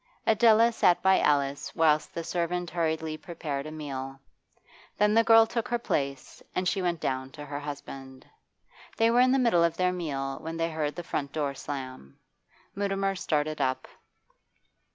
Adela sat by Alice whilst the servant hurriedly prepared a meal; then the girl took her place, and she went down to her husband. They were in the middle of their meal when they heard the front door slam. Mutimer started up.